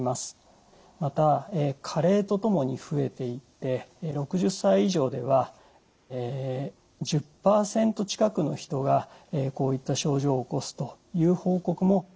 また加齢とともに増えていって６０歳以上では１０％近くの人がこういった症状を起こすという報告も国際的にはされています。